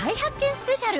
スペシャル。